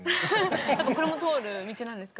これも通る道なんですか？